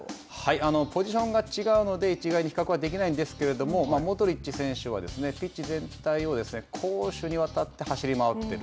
ポジションが違うので、一概に比較はできないんですけれども、モドリッチ選手は、ピッチ全体を攻守にわたって走り回ってる。